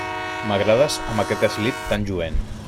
M'agrades amb aquest eslip tan lluent.